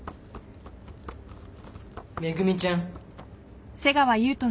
・恵ちゃん。